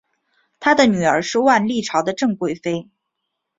他的女儿是万历朝的郑贵妃。